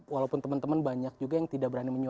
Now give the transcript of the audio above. walaupun teman teman banyak juga yang tidak berani menyuruh